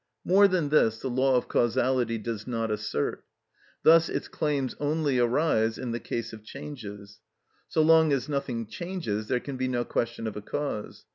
More than this the law of causality does not assert. Thus its claims only arise in the case of changes. So long as nothing changes there can be no question of a cause.